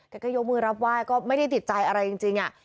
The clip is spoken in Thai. ก็ยกมือรับไหว้ก็ไม่ได้ติดใจอะไรจริง